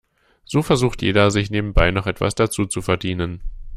So versucht jeder, sich nebenbei noch etwas dazuzuverdienen.